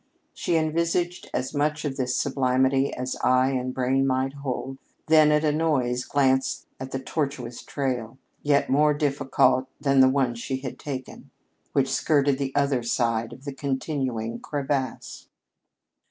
She envisaged as much of this sublimity as eye and brain might hold; then, at a noise, glanced at that tortuous trail yet more difficult than the one she had taken which skirted the other side of the continuing crevasse.